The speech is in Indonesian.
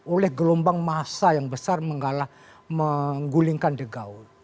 oleh gelombang masa yang besar menggulingkan the gaul